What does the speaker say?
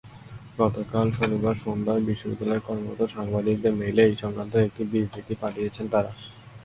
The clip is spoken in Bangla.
গতকাল শনিবার সন্ধ্যায় বিশ্ববিদ্যালয়ে কর্মরত সাংবাদিকদের মেইলে এ-সংক্রান্ত একটি বিবৃতি পাঠিয়েছেন তাঁরা।